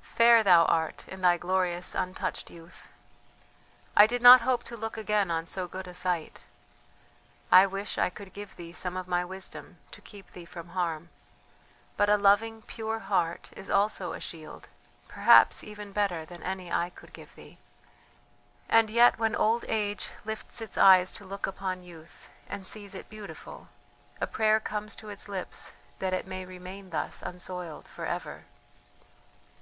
"Fair thou art in thy glorious untouched youth. I did not hope to look again on so good a sight. I wish I could give thee some of my wisdom to keep thee from harm, but a loving, pure heart is also a shield, perhaps even better than any I could give thee; and yet when old age lifts its eyes to look upon youth, and sees it beautiful, a prayer comes to its lips that it may remain thus unsoiled for ever!